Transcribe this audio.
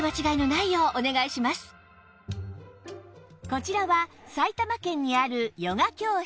こちらは埼玉県にあるヨガ教室